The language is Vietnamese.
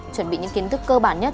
chuẩn bị những kiến thức cơ bản nhất